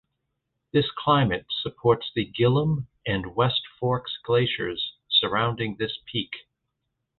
This climate supports the Gillam and West Fork Glaciers surrounding this peak.